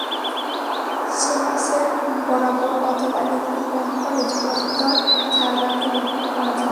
Sofa set বরাবর অথবা একটু কোণ করে ঝুলন্ত ঝাড়বাতি ব্যবহার করা যায়।